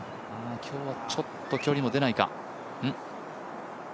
今日はちょっと距離が出ないか。